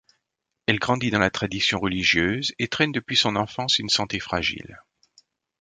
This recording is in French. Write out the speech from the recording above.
Elle grandit dans la tradition religieuse et traîne depuis son enfance une santé fragile.